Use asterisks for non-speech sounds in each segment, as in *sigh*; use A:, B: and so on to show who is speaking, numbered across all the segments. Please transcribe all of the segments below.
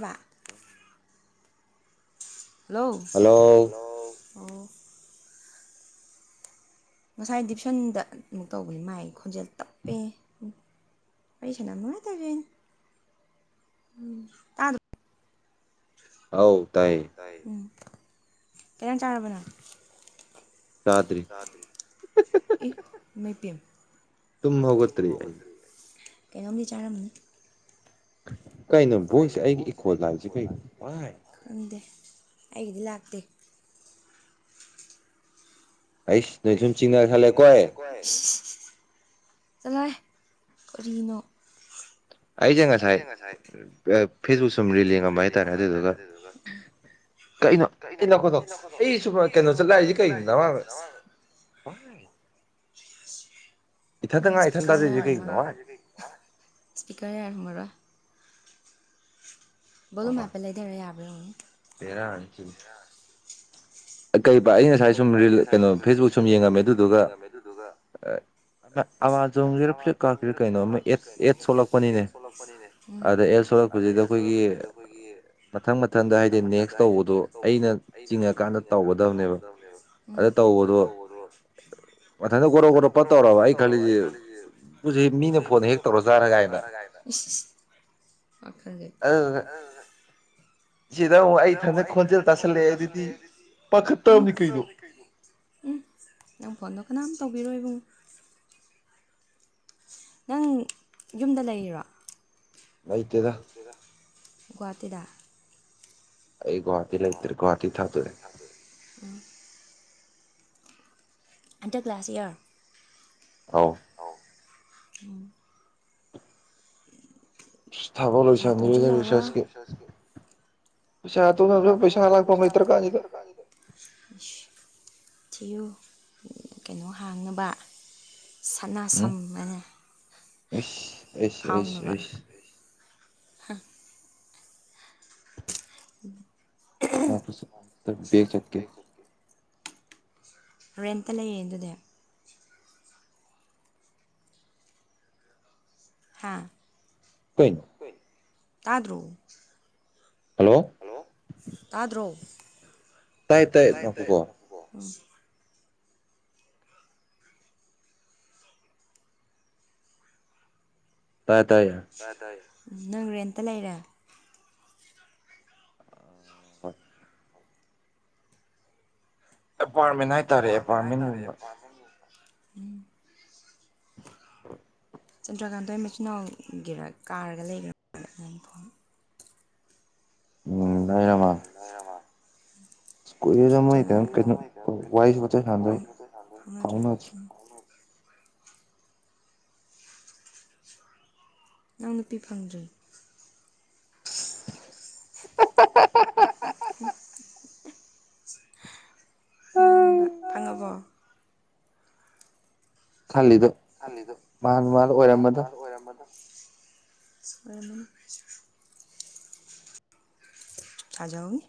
A: ꯄ hello hello ꯑꯣ ꯉꯁꯥꯏ ꯗꯤꯚꯤꯁꯖꯟꯗ ꯑꯃꯨꯛ ꯇꯧꯕꯅꯤ ꯃꯥꯥꯏ ꯈꯣꯟꯖꯦꯜ ꯇꯞꯄꯦ ꯋꯥꯔꯤ ꯁꯥꯟꯅ ꯅꯨꯡꯉꯥꯏ ꯇꯧꯕꯦꯅꯦ ꯇꯥꯗꯣ
B: ꯑꯧ ꯇꯥꯏꯌꯦ
A: ꯀꯩꯖꯥꯡ ꯆꯔꯕꯅ *unintelligible* ꯏꯃꯥꯄꯦꯝꯃ
B: ꯇꯨꯝꯃ ꯍꯧꯈꯠꯇ꯭ꯔꯤ ꯑꯩ
A: ꯀꯩꯅꯣꯝꯗꯤ ꯆꯥꯔꯝꯝꯕꯅꯤ ꯀꯩꯅꯣ ꯕꯣꯁꯁꯦ ꯑꯩꯒꯤ ꯈꯣꯟ ꯃꯥꯟꯗꯦ ꯈꯪꯗꯦ ꯑꯩꯒꯤꯗꯤ ꯂꯥꯛꯇꯦ ꯑꯩꯁ ꯁꯥꯢꯀꯜ ꯆꯤꯡ ꯀꯦꯈꯠꯂꯦ ꯀꯣ ꯑꯩ ꯆꯂꯍꯩ ꯀꯔꯤꯅꯣ
B: ꯑꯩꯁꯦ ꯉꯁꯥꯏ ꯐꯦꯁꯕꯨꯛ ꯁꯨꯝ ꯔꯤꯜ ꯌꯦꯡꯉꯝꯕ ꯍꯥꯏꯇꯥꯔꯦ ꯑꯗꯨꯗꯨꯒ ꯀꯩꯅꯣ ꯑꯩꯅ ꯑꯩ ꯁꯨꯝ ꯀꯩꯅꯣ ꯆꯠꯂ ꯍꯥꯏꯁꯦ ꯀꯣ ꯗꯥ ꯅꯥꯡ ꯋꯥꯚꯥꯏ
A: *unintelligible* ꯁ꯭ꯄꯤꯀꯔ ꯍꯌꯥꯔꯝꯃꯔꯣꯢ ꯕꯣꯂꯨꯝ ꯍꯥ ꯞꯄ ꯂꯩꯊꯔ ꯌꯥꯕ꯭ꯔꯦ ꯌꯦꯡꯉꯣ ꯌꯥꯗꯦ
B: ꯑ ꯀꯩꯑꯕ ꯉꯁꯥꯏ ꯁꯨꯝ ꯔꯤꯜ ꯀꯩꯅꯣ ꯐꯦꯁꯕꯨꯛ ꯁꯨꯝ ꯌꯦꯡꯉꯝꯃꯦ ꯑꯗꯨꯗꯨꯒ ꯑꯦ ꯃ ꯑꯃꯥꯥꯖꯣꯟꯒꯤꯔ ꯐ꯭ꯂꯤꯞꯀꯥꯔꯠꯀꯤꯔ ꯀꯩꯅꯣ ꯑꯃ ꯑꯦ ꯑꯦꯠ ꯊꯣꯛꯜꯂꯛꯄꯅꯤꯅꯦ ꯑꯗ ꯑꯦꯠ ꯊꯣꯜꯂꯛꯄꯁꯤꯗ ꯑꯩꯈꯣꯏꯒꯤ ꯃꯊꯪ ꯃꯊꯪꯗ ꯍꯥꯏꯗꯤ ꯅꯦꯛꯁ ꯇꯧꯕꯗꯣ ꯑꯩꯅ ꯆꯤꯡꯉꯀꯥꯟꯗ ꯍꯧꯒꯗꯕꯅꯦꯕ
A: ꯇꯧꯅꯕ ꯑꯝ ꯑꯗ ꯇꯧꯕꯣꯅ ꯃꯊꯟꯗ ꯒꯣꯔꯥ ꯒꯣꯔꯣ ꯐꯠ ꯇꯧꯔꯣꯕ ꯑꯩ ꯈꯜꯂꯤꯁꯦ ꯁꯦ ꯃꯤꯅ ꯐꯣꯟ ꯍꯦꯛ ꯇꯧꯔꯀ ꯀꯥꯏꯅ ꯏꯁ ꯁꯤ ꯑꯗꯨ ꯑꯗꯅꯦ ꯁꯤꯗ ꯑꯃꯨꯛ ꯑꯩ ꯏꯊꯟꯗ ꯈꯣꯠꯆꯟ ꯇꯁꯤꯜꯂꯦ ꯑꯗꯨꯗꯤ
B: ꯑꯈ
A: ꯎꯝ ꯎꯝ ꯅꯪ ꯐꯣꯟꯗ ꯀꯅꯥꯃ ꯇꯧ ꯕꯤꯔꯣꯏꯕꯨꯡ ꯅꯪ ꯌꯨꯝꯗ ꯂꯩꯔꯤꯔꯣ ꯂꯩꯇꯦꯗ ꯒꯣꯍꯥꯇꯤꯗ
B: ꯑꯩꯒꯨꯍꯥꯇꯤ ꯂꯥꯩꯇꯦ ꯒꯨꯍꯥꯇꯤ ꯊꯥꯗꯣꯛꯑꯦ
A: ꯑꯦꯟꯇꯛ ꯂꯥꯁ ꯏꯌꯥꯔ ꯎꯝ
B: ꯊꯕꯛ ꯂꯣꯏꯁꯤꯟꯗ꯭ꯔꯤꯗ ꯔꯤꯁꯔꯁꯀꯤ
A: ꯄꯩꯁꯥ ꯊꯣꯛꯅꯕ ꯄꯩꯁꯥ ꯂꯥꯛꯐꯃ ꯂꯩꯇ꯭ꯔꯀꯥꯟꯁꯤꯗ ꯏꯁ ꯊꯤꯌꯨ ꯀꯩꯅꯣ ꯍꯥꯡꯅꯕ
B: ꯎꯝ ꯏꯁ ꯏꯁ ꯏꯁ ꯏꯁ
A: ꯍꯥ ꯎꯝ *inaudible*
B: ꯋꯥꯄ ꯕꯒ ꯆꯠꯀꯦ *unintelligible*
A: ꯔꯦꯟꯇ ꯂꯩꯌꯦ ꯑꯗꯨꯗꯤ ꯍꯥꯥ
B: ꯀꯨꯏꯅꯣ
A: ꯇꯥꯗ꯭ꯔꯣ ꯍꯂꯣ ꯇꯥꯗ꯭ꯔꯣ
B: ꯇꯥꯏ ꯇꯥꯏ ꯉꯥꯈꯣꯀꯣ
A: ꯑꯁ ꯇ ꯇꯥꯏ ꯅꯪ ꯔꯦꯟꯇ ꯂꯩꯔꯦ
B: ꯑ ꯍꯣꯏ *inaudible* ꯑꯦꯄꯥꯔꯠꯃꯦꯟ ꯍꯥꯏꯇꯥꯔꯦ ꯑꯦꯄꯥꯔꯠꯃꯦꯟꯒꯨꯝꯕ
A: ꯆꯟꯗ꯭ꯔꯀꯥꯟꯇ ꯃꯆꯤꯟꯅꯥꯎꯒꯤꯔ ꯀꯥꯔꯒ ꯂꯩꯈ꯭ꯔꯦ
B: ꯎꯝ ꯂꯩꯔꯃꯥꯂꯦ
A: ꯀꯩꯅ ꯋꯥ *unintelligible* ꯅꯪ ꯅꯨꯄꯤ ꯐꯪꯗ꯭ꯔꯤ
B: *inaudible*
A: ꯍꯥ ꯍꯥ ꯍꯥ ꯍꯥ ꯃꯥꯟꯕ ꯈꯪꯉꯕꯣ
B: ꯈꯜꯂꯤꯗꯣ ꯃꯥꯅ ꯃꯥꯅ ꯑꯣꯏꯔꯝꯃꯗꯣ
A: ꯁꯣꯏꯔꯝꯃꯅꯤ *unintelligible* ꯁꯥꯖꯥꯎꯅꯤ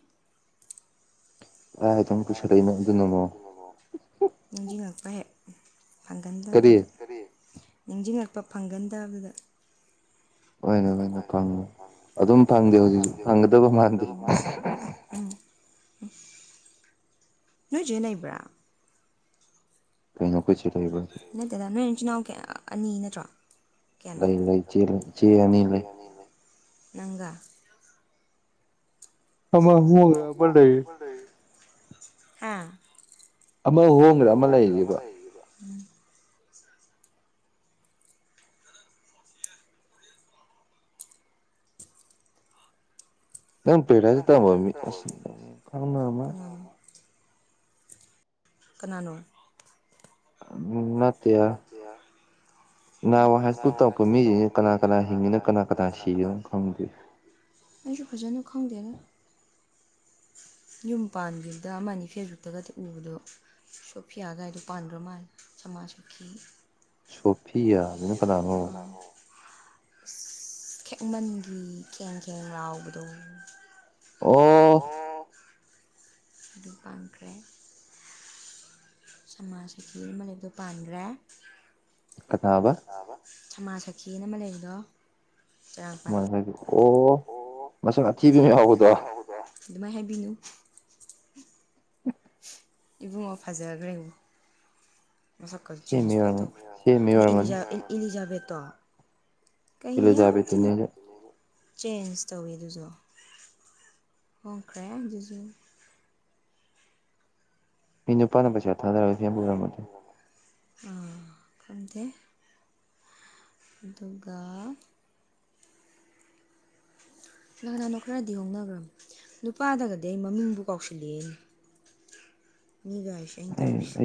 A: *unintelligible* ꯅꯤꯖꯤꯡꯉꯛꯄ ꯍꯦꯛ ꯑꯗꯗꯝꯗꯨꯗ ꯀꯔꯤ ꯅꯤꯡꯁꯤꯡ ꯉ ꯐꯪꯒꯟꯗꯕꯗꯨꯗ
B: ꯍꯣꯏꯅꯦ ꯍꯣꯏꯅꯦ ꯐꯪ ꯑꯗꯨꯝ ꯐꯪꯗꯦ ꯍꯧꯖꯤꯛꯁꯨ ꯐꯪꯒꯗꯕ ꯃꯥꯟꯗꯦ
A: ꯅꯣꯏ ꯆꯦ ꯂꯩꯕꯔꯥ ꯅꯠꯇꯦꯗ ꯅꯣꯏ ꯅꯆꯤꯟ ꯅꯅꯥꯎ ꯀꯌꯥ ꯑꯅꯤ ꯅꯠꯇ꯭ꯔꯣ
B: ꯂꯩ ꯂꯩ ꯏꯆꯦ ꯂꯩ ꯏꯆꯦ ꯑꯅꯤ ꯂꯩ
A: ꯅꯪꯒꯥ *unintelligible* ꯍꯥ
B: ꯑꯃ ꯍꯣꯡꯗꯒ꯭ꯔꯦ ꯑꯃ ꯂꯩꯔꯤꯕ
A: *inaudible*
B: ꯅꯪ ꯄꯦꯔꯥꯗ ꯇꯝꯃꯝꯃꯤ ꯑꯁ ꯈꯪꯂꯝꯃꯣꯢ
A: ꯀꯅꯥꯅꯣ
B: ꯎꯝ
A: *unintelligible* *unintelligible*
B: ꯅꯠ
A: ꯑꯩꯁꯨ ꯐꯖꯅ ꯈꯪꯗꯦꯉꯣ ꯌꯨꯝ ꯄꯥꯟꯈꯤꯕꯗ ꯑꯃꯅꯤ ꯐꯦꯁ ꯕꯨꯛꯇꯒ ꯎꯕꯗꯣ ꯁꯣꯐꯤꯌꯥ ꯒꯥꯏꯗꯣ ꯄꯥꯟꯈꯔ ꯃꯥꯜꯂꯦ ꯁꯃꯥꯁꯨ *inaudible*
B: ꯁꯣꯐꯤꯌꯥ ꯍꯥꯏꯅ ꯀꯅꯥꯅꯣ
A: ꯑꯁ ꯈꯦꯛꯃꯟꯒꯤ ꯈꯦꯡ ꯈꯦꯡ ꯂꯥꯎꯕꯤꯗꯣ ꯑꯣ ꯑꯗꯨ ꯄꯥꯟꯈ꯭ꯔꯦ ꯁꯃꯥꯖꯁꯥꯈꯤ ꯑꯃ ꯂꯩꯕꯗꯣ ꯄꯥꯟꯈ꯭ꯔꯦ
B: ꯀꯅꯥꯕ
A: ꯁꯃꯥꯁꯥꯈꯤ ꯑꯃ ꯂꯩꯕꯗꯣ
B: ꯃꯣꯢ ꯍꯥꯢꯕꯤꯌꯨ ꯑꯣ
A: ꯃꯁꯛ ꯌꯥꯝ ꯊꯤꯕ ꯑꯃ ꯌꯥꯎꯕꯗꯣ ꯑꯗꯨ ꯃꯥꯏꯅ ꯍꯥꯏꯕꯤꯅꯨ ꯏꯕꯨꯡꯉꯣ ꯐꯖꯒ꯭ꯔꯦ ꯃꯁꯛ ꯆꯦꯟꯁ ꯐꯖꯟꯅ ꯇꯧꯈꯔꯦ ꯑꯗꯥ ꯏꯂꯤꯖ ꯏꯂꯤꯖꯥꯕꯦꯠ ꯇꯧꯔꯦ
B: ꯏꯂꯤꯖꯥꯕꯦꯠ ꯇꯨꯅꯦ ꯑꯩꯅ
A: ꯆꯦꯟꯖ ꯇꯧꯋꯤ ꯑꯗꯨꯁꯨ ꯍꯣꯡꯈ꯭ꯔꯦ ꯑꯗꯨꯁꯨ
B: ꯃꯤ ꯅꯨꯄꯥꯅ ꯄꯩꯁꯥ ꯊꯔꯛ ꯑꯒꯥ ꯆꯦꯟꯕ ꯉꯝꯕ
A: ꯎꯝ ꯈꯗꯦ ꯑꯗꯨꯒ ꯀꯅꯥ ꯀꯅꯅꯣ ꯈꯔꯗꯤ ꯍꯣꯡꯅꯈ꯭ꯔꯕ ꯅꯨꯄꯥꯗꯒꯗꯤ ꯑꯩ ꯃꯃꯤꯡꯕꯨ ꯀꯥꯎꯁꯤꯜꯂꯑꯦꯅꯦ ꯃꯤꯒꯥ ꯁꯨꯝ ꯇꯧꯔꯤꯖꯦ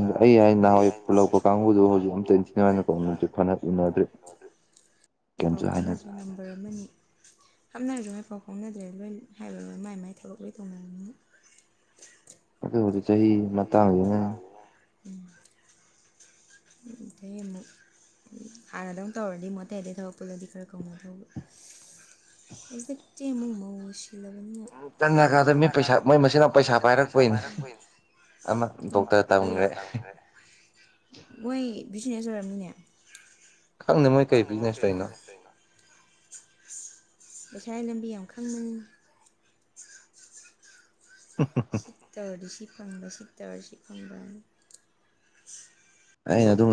A: ꯀꯅꯥꯝ ꯀꯧꯗꯦ ꯑꯩ ꯅꯍꯥꯟ *unintelligible* ꯄꯥꯎ ꯐꯥꯎꯅꯔꯁꯨ ꯍꯟꯕꯔꯝꯅꯤ ꯍꯥꯞꯅꯔꯁꯨ ꯃꯥꯏ ꯄꯥꯎ ꯐꯥꯎꯅꯗ꯭ꯔꯦ ꯂꯣꯏ ꯍꯥꯏꯕ ꯂ ꯃꯥꯏ ꯃꯥꯏ ꯊꯕꯛ ꯂꯣꯏ ꯇꯧꯅꯔꯝꯃꯤꯅꯤ
B: ꯑꯗꯨꯕꯨꯗꯤ ꯆꯍꯤ ꯃꯠꯇꯥꯡꯅꯤꯅ
A: ꯎꯝ ꯑꯩ ꯑꯃꯨꯛ ꯍꯥꯟꯅꯗꯧ ꯇꯧꯔꯗꯤ ꯃꯨꯛ ꯑꯇꯩ ꯑꯗꯩ ꯊꯕꯛ ꯄꯨꯜꯂꯗꯤ ꯈꯔ ꯀꯧꯅꯗꯧꯕ ꯏꯆꯦ ꯃꯧꯁꯤ ꯅꯪꯅꯥꯀꯗ ꯃꯤ ꯄꯩꯁꯥ ꯈꯣꯝꯕꯁꯤꯅ ꯃꯤ ꯄꯩꯁꯥ ꯄꯥꯏꯔꯛꯇꯣꯏꯅꯦ ꯀꯔꯤ *unintelligible* ꯃꯣꯏ ꯕꯤꯖꯤꯅꯦꯁ ꯑꯣꯏꯔꯝꯃꯤꯅꯦ
B: ꯈꯪꯗ ꯃꯣꯏ ꯀꯩ ꯕꯤꯖꯤꯅꯦꯁ ꯇꯩꯅꯣ
A: ꯄꯩꯁꯥꯏ ꯂꯝꯕꯤ ꯌꯥꯝ ꯈꯪꯕꯅꯤ ꯁꯤꯠꯇ ꯑꯗꯣ ꯁꯤ ꯁꯤ ꯐꯪꯕ ꯁꯤꯛꯇꯔ ꯁꯤ ꯈꯪꯕꯅꯤ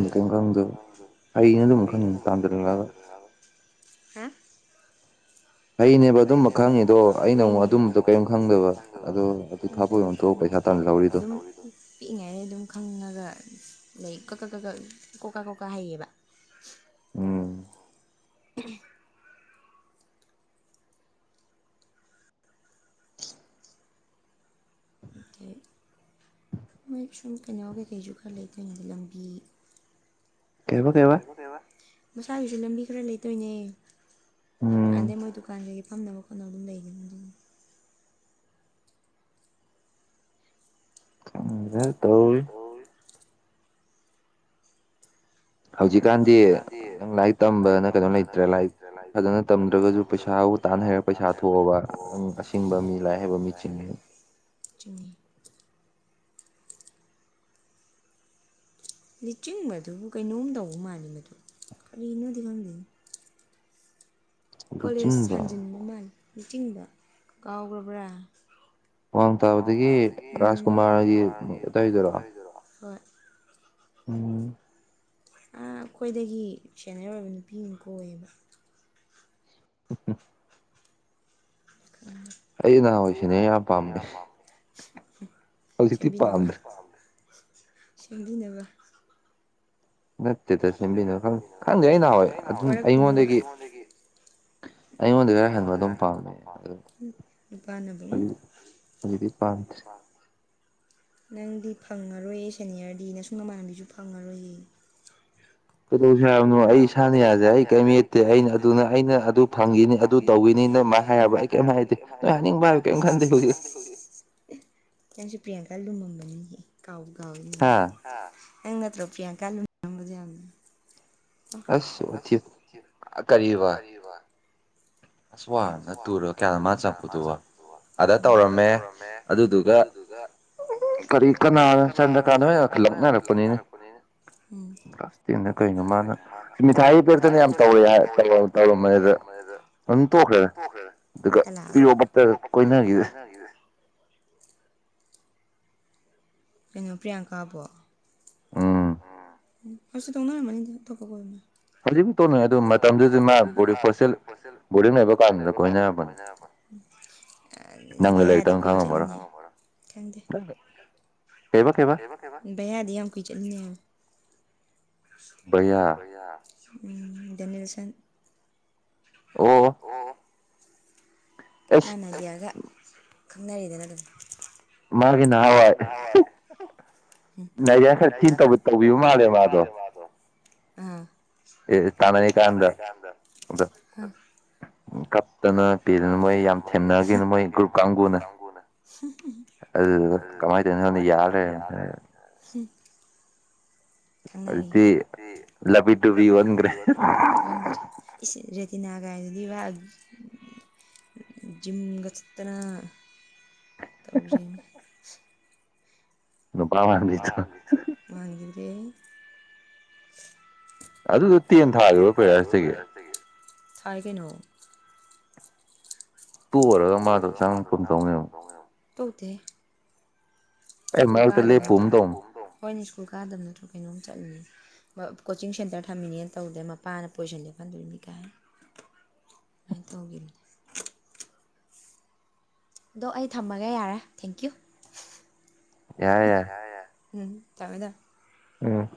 A: ꯑꯦ ꯑꯗꯨ ꯑꯗꯨ ꯀꯩꯝ ꯈꯟꯗꯦ ꯀꯔꯤꯅꯣ ꯑꯗꯨꯝ ꯈꯪꯂꯒ ꯇꯥꯟꯆꯔ ꯑꯕ ꯍꯥ ꯑꯩꯅꯦꯕ ꯑꯗꯨꯝꯕ ꯈꯪꯉꯦꯩꯅ ꯑꯃ ꯑꯗꯨꯝꯕ ꯀꯝ ꯈꯪꯗꯕ ꯈꯪꯉꯒ ꯂꯩ ꯀꯀ ꯀꯀ ꯀꯣꯀꯥ ꯀꯣꯀꯥ ꯍꯩꯌꯦꯕ ꯎꯝ ꯍꯝ ꯃꯣꯏ ꯁꯨꯝ ꯀꯩꯅꯣ ꯀꯩꯀꯩꯁꯨ ꯈꯔ ꯂꯩꯇꯣꯏꯅꯦꯗꯤ ꯂꯝꯕꯤ ꯀꯩꯕꯣ ꯀꯩꯕ ꯃꯁꯥꯒꯤꯁꯨ ꯂꯝꯕꯤ ꯈꯔ ꯂꯩꯇꯣꯏꯅꯦ ꯑꯗꯦ ꯃꯣꯏꯗꯨ ꯗꯨꯀꯥꯟꯒꯗꯒꯤ ꯐꯝꯅꯕ ꯈꯣꯠꯅꯕ ꯑꯗꯨꯝ ꯂꯩꯈꯤꯕꯅꯤ ꯑꯗꯨꯅꯤ ꯑ ꯇꯧ
B: ꯍꯧꯖꯤꯛꯀꯥꯟꯗꯤ ꯅꯪ ꯂꯥꯏꯔꯤꯛ ꯇꯝꯕꯅ ꯀꯩꯅꯣ ꯂꯩꯇ꯭ꯔꯦ ꯂꯥꯏꯔꯤꯛ ꯐꯖꯅ ꯇꯝꯗ꯭ꯔꯒꯁꯨ ꯄꯩꯁꯥꯕꯨ ꯇꯥꯟꯅ ꯍꯩꯔꯒ ꯄꯩꯁꯥ ꯊꯣꯛꯑꯕ ꯅꯪ ꯑꯁꯤꯡꯕ ꯃꯤ ꯂꯥꯏꯔꯤꯛ ꯍꯩꯕ ꯃꯤ ꯆꯤꯡꯉꯩ
A: ꯆꯅꯤ ꯂꯤꯆꯤꯡꯕꯗꯨ ꯀꯩꯅꯣꯝ ꯇꯧꯕ ꯃꯥꯜꯂꯤ ꯃꯗꯨ ꯀꯔꯤꯒꯤꯅꯣꯗꯤ ꯈꯪꯗꯦ ꯀꯣꯂꯦꯖ ꯍꯥꯟꯖꯤꯟꯕ ꯃꯜꯂꯤ ꯂꯨꯆꯤꯡꯗꯨ ꯀꯥꯎꯈ꯭ꯔꯕ꯭ꯔꯥ
B: ꯃꯋꯥꯥꯡ ꯇꯥꯕꯗꯒꯤ ꯔꯥꯥꯁꯀꯨꯃꯥꯔꯒꯤ ꯑꯗꯋꯥꯢꯗꯨꯔꯣ ꯎꯝ
A: ꯑꯩꯈꯣꯏꯗꯒꯤ ꯁꯦꯟꯅꯔ ꯑꯣꯏꯕ ꯅꯨꯄꯤ ꯑꯃ ꯀꯣꯏꯌꯦꯕ
B: ꯑꯩ ꯅꯍꯥꯟꯋꯥꯏꯁꯤꯅꯦ ꯌꯥꯝ ꯄꯥꯝꯃꯦ ꯍꯧꯖꯤꯛꯇꯤ ꯄꯥꯝꯗ꯭ꯔꯦ
A: ꯁꯦꯝꯕꯤꯅꯕ
B: ꯅꯠꯇꯦꯗ ꯁꯦꯝꯕꯤꯅꯣ ꯈꯪꯗꯦ ꯈꯪꯗꯦ ꯑꯩ ꯅꯍꯥꯟꯋꯥꯏ ꯑꯗꯨꯝ ꯑꯩꯉꯣꯟꯗꯒꯤ ꯑꯩꯉꯣꯟꯗꯒꯤ ꯍꯟꯕ ꯑꯗꯨꯝ ꯄꯥꯝꯃꯦ ꯑꯗꯨ ꯍꯧꯖꯤ ꯍꯧꯖꯤꯗꯤ ꯄꯥꯝꯗ꯭ꯔꯦ
A: ꯅꯪꯗꯤ ꯐꯪꯉꯔꯣꯏꯌꯦ ꯁꯦꯅꯤꯌꯔꯗꯤ ꯅꯁꯨꯡ ꯅꯃꯥꯟꯅꯕꯤꯁꯨ ꯐꯪꯉꯔꯣꯏꯌꯦ ꯀꯩꯗꯧꯁꯦ ꯍꯥꯏꯕꯅꯣ ꯑꯩ ꯏꯁꯥꯅ ꯌꯥꯖꯩ ꯑꯩ ꯀꯔꯤꯝ ꯌꯦꯠꯇꯦ ꯑꯩꯅ ꯑꯩꯅ ꯑꯗꯨ ꯐꯪꯈꯤꯅꯤ ꯑꯗꯨ ꯇꯧꯈꯤꯅꯤꯅ ꯃꯥ ꯑꯗꯨꯃꯥꯏꯟ ꯍꯥꯏꯕ ꯌꯥꯕ꯭ꯔꯣ ꯑꯩ ꯀꯦꯝ ꯍꯥꯏꯗꯦ ꯅꯣꯏ ꯍꯥꯙꯅꯤꯡꯕ ꯍꯥꯏꯌꯣ ꯀꯦꯝ ꯈꯟꯗꯦ ꯍꯧꯖꯤꯛ ꯄ꯭ꯔꯤꯌꯥꯡꯀꯥ ꯂꯨꯃꯝꯝꯕꯅꯤ ꯀꯥꯎꯕꯨ ꯀꯥꯎꯏꯅꯦ ꯅꯪ ꯅꯠꯇ꯭ꯔꯣ ꯄꯔ꯭ꯤꯌꯥꯡꯀꯥ ꯂꯨꯝꯃꯕꯗꯣ ꯌꯥꯝꯅ ꯑꯁ ꯀꯔꯤꯕ ꯋꯥꯟꯂ ꯇꯨꯔ ꯀꯌꯥꯅꯣ ꯃꯥ ꯆꯡꯉꯛꯄꯗꯨꯕꯣ ꯑꯥꯗ ꯇꯧꯔꯝꯃꯦ ꯑꯗꯨꯗꯨꯒ ꯀꯔꯤ ꯀꯅꯥꯅ ꯁꯟꯒꯤꯇ ꯀꯅꯥꯅꯣ ꯌꯥꯝ ꯂꯛꯅꯔꯛꯄꯅꯤꯅꯦ ꯀꯩꯅꯣ ꯃꯥꯅ ꯃꯤꯊꯥꯏꯒꯤ ꯄꯤꯔꯛꯇꯅ ꯌꯥꯝ ꯇꯧꯋꯦ ꯍꯥꯏ ꯇꯧꯔꯝꯃꯦꯗ
B: ꯑꯗꯨꯝ ꯇꯣꯛꯈ꯭ꯔꯦ ꯑꯗꯨꯒ ꯄꯤꯔꯣꯕꯇꯒ ꯀꯣꯏꯅꯈꯤꯗ
A: ꯀꯩꯅꯣ ꯄ꯭ꯔꯤꯌꯥꯡꯀꯥꯕꯣ
B: ꯎꯝ
A: ꯎ ꯍꯧꯖꯤꯛꯇꯤ ꯇꯣꯛꯅꯔꯝ ꯃꯅꯤꯗ ꯑꯇꯣꯞꯄꯥ ꯀꯣꯏꯕꯅꯦ ꯍꯧꯖꯤꯛ ꯄꯨꯅꯦ ꯃꯇꯝꯗꯨꯗꯤ ꯃꯥ ꯕꯣꯔꯗꯤꯡ ꯍꯣꯁꯇꯦꯜ ꯕꯣꯔꯗꯤꯡ ꯂꯩꯕ ꯀꯥꯟꯗꯨꯗ ꯀꯣꯏꯅꯔꯝꯕꯅꯦ ꯚꯩꯌꯥꯗꯤ ꯀꯨꯏꯅ ꯆꯠꯂꯤꯅꯦ ꯈꯪꯗꯦ ꯕꯌꯥꯗꯤ ꯌꯥꯝ ꯀꯨꯏꯅ ꯆꯠꯂꯤꯅꯦ
B: ꯚꯩꯌꯥ
A: ꯗꯦꯅꯦꯜꯁꯟ
B: ꯑꯣ
A: ꯃꯅꯗꯤ ꯌꯥꯒ ꯈꯪꯅꯔꯤꯗꯅ ꯑꯗꯨꯝ ꯃꯥꯒꯤ ꯅꯍꯥꯟꯋꯥꯏ ꯅꯥꯏꯔꯤꯌꯥ ꯈꯛ ꯇꯧꯕꯤꯕ ꯃꯥꯜꯂꯦꯕꯗꯣ ꯑꯥ
B: ꯑꯦ ꯇꯥꯟꯅꯔꯤ ꯀꯥꯟꯗ ꯑ
A: ꯀꯞꯇꯅ ꯄꯤꯗꯅ ꯃꯣꯏ ꯌꯥꯝ ꯊꯦꯝꯅꯒꯤꯕꯅꯦ ꯃꯣꯏ ꯒ꯭ꯔꯨꯞ ꯀꯥꯡꯕꯨꯅ ꯑꯗꯨꯗꯨ ꯀꯃꯥꯏꯅ ꯇꯧꯏꯅꯣ ꯈꯪꯗꯦꯪ ꯌꯥ ꯂꯩꯔꯝꯃꯦ ꯈꯪꯅꯔꯤꯕ ꯃꯤ ꯂꯕꯤ ꯗꯨꯕꯤ ꯑꯣꯟꯈꯔꯦ ꯇꯤꯅꯥꯒꯥꯏꯗꯤꯕ ꯖꯤꯝꯒ ꯆꯠꯇꯅ ꯇꯧꯔꯤ
B: ꯅꯨꯄꯥ ꯃꯥꯟꯕꯤꯗꯣ
A: ꯑꯦ
B: ꯑꯗꯨꯗ ꯇꯦꯟ ꯊꯥꯒꯤꯕ꯭ꯔꯣ *unintelligible* ꯗꯒꯤ
A: ꯊꯥꯏꯒꯩꯅꯣ
B: ꯇꯨꯔꯒ ꯃꯥꯗꯣ ꯆꯪꯉꯛꯐꯝ ꯇꯧ ꯂꯩꯔꯝ
A: ꯇꯧꯗꯦ ꯁ꯭ꯀꯨꯜ ꯀꯥꯗꯕ ꯍꯥꯏ꯭ꯔ ꯍꯣꯏꯅꯦ ꯁ꯭ꯀꯨꯜ ꯀꯥꯗꯕ ꯅꯠꯇ꯭ꯔꯣ ꯀꯩꯅꯣꯝ ꯆꯠꯂꯤꯅꯦꯦ ꯀꯣꯆꯤꯡ ꯁꯦꯟꯇꯔ ꯊꯝꯃꯤꯅꯦꯅ ꯇꯧꯗ꯭ꯔꯦ ꯃꯄꯥꯅ ꯄꯣꯖꯤꯁꯟ ꯂꯦꯞꯍꯟꯗꯣꯏꯅꯤ ꯀꯥꯏ ꯑꯗꯨꯃꯥꯏꯅ ꯇꯧꯈꯤꯕꯅꯤ ꯑꯗꯣ ꯑꯩ ꯊꯝꯃꯒ ꯌꯥꯔꯦ ꯊꯦꯡꯀ꯭ꯌꯨ ꯌꯥ ꯌꯥꯏ ꯎꯝ ꯊꯥꯝꯃꯦ ꯊꯝꯃꯦ
B: ꯎꯝ